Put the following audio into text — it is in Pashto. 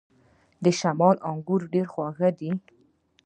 د شمالی انګور ډیر خوږ دي.